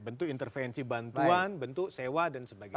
bentuk intervensi bantuan bentuk sewa dan sebagainya